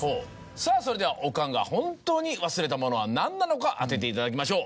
さぁそれではおかんが本当に忘れたものは何なのか当てていただきましょう。